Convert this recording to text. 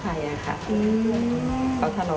ถ้าเราใส่ก็ต้องใส่พอประมาณ